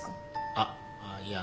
あっいや